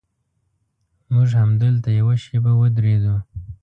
موږ همدلته یوه شېبه ودرېدو.